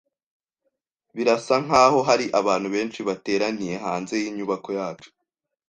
Birasa nkaho hari abantu benshi bateraniye hanze yinyubako yacu.